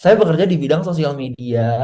saya bekerja di bidang sosial media